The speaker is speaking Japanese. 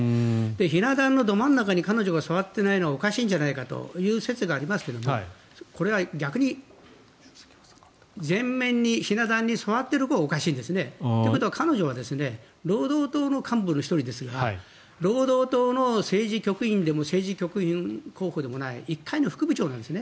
ひな壇のど真ん中に彼女が座ってないのはおかしいんじゃないかという説がありますがこれは逆に前面にひな壇に座っているほうがおかしいんですね。ということは彼女は労働党の幹部の１人ですが労働党の政治局員でも政治局員候補でもない一介の副部長なんですね。